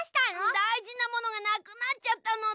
だいじなものがなくなっちゃったのだ。